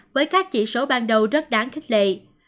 với các chỉ số ban đầu rất đáng khích lệ